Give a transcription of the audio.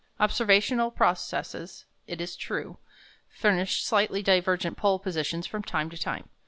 Observational processes, it is true, furnished slightly divergent pole positions from time to time.